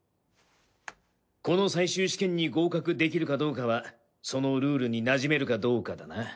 この最終試験に合格できるかどうかはそのルールになじめるかどうかだな。